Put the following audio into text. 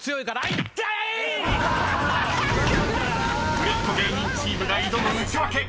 ［売れっ子芸人チームが挑むウチワケ］